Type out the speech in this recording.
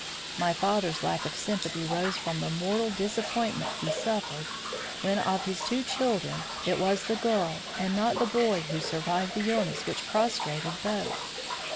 My father's lack of sympathy rose from the mortal disappointment he suffered when, of his two children, it was the girl and not the boy who survived the illness which prostrated both.